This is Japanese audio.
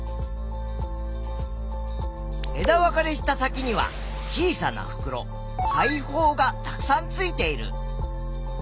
枝分かれした先には小さなふくろ「肺胞」がたくさんついている。